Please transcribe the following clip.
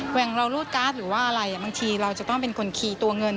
อย่างเรารูดการ์ดหรือว่าอะไรบางทีเราจะต้องเป็นคนคีย์ตัวเงิน